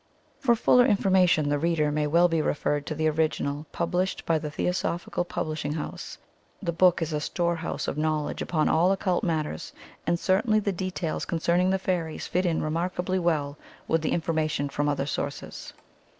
'' For fuller information the reader may well be referred to the original, published by the Theosophical Publishing House. The book is a storehouse of knowledge upon all occult matters, and certainly the details con cerning the fairies fit in remarkably well with the information from other sources.